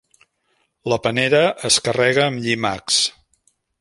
La panera es carrega amb llimacs.